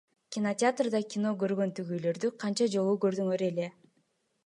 Кинотеатрда кино көргөн түгөйлөрдү канча жолу көрдүңөр эле?